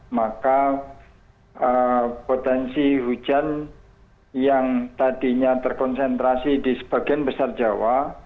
maka potensi hujan yang tadinya terkonsentrasi di sebagian besar jawa